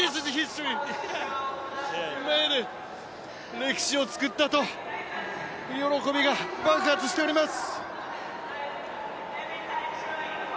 歴史を作ったと、喜びが爆発しております！